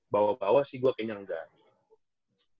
bawah bawah sih gue kayaknya enggak